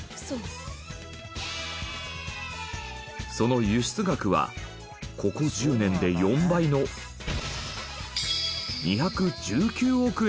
その輸出額はここ１０年で４倍の２１９億円に。